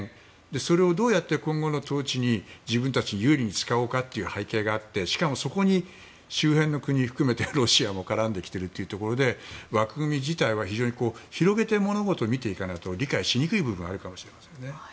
それを、どうやって今後の統治に自分たちに有利に使おうかという背景があってしかも、そこに周辺の国含めてロシアも絡んでいるということで枠組み自体は、非常に広げて物事を見ていかないと理解しにくい部分があるかもしれませんね。